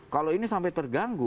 kalau ini sampai terganggu